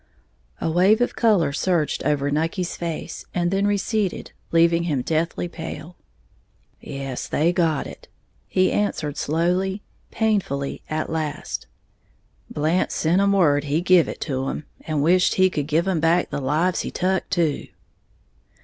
A wave of color surged over Nucky's face, and then receded, leaving him deathly pale. "Yes, they got it," he answered slowly, painfully, at last; "Blant sent 'em word he give it to 'em, and wisht he could give 'em back the lives he tuck, too."